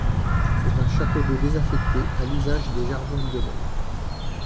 C'est un château d'eau désaffecté à l'usage des jardins du domaine.